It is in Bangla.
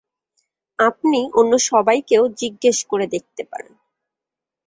আপনি অন্য সবাইকেও জিজ্ঞেস করে দেখতে পারেন।